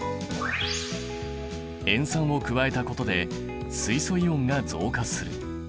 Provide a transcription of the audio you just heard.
塩酸を加えたことで水素イオンが増加する。